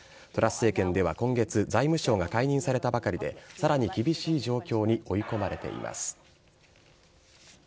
トラス政権では今月財務相が解任されたばかりでさらに厳しい状況に追い込まれています。